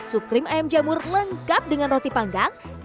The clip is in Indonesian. sup krim ayam jamur lengkap dengan roti panggang